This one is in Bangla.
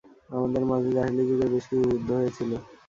আমাদের মাঝে জাহেলী যুগের বেশ কিছু যুদ্ধ হয়েছিল।